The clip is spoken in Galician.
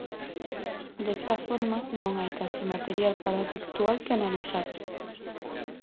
Desta forma, non hai case material paratextual que analizar.